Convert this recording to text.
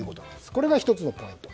これが１つのポイント。